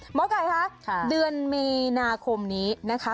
หมอไก่คะเดือนมีนาคมนี้นะคะ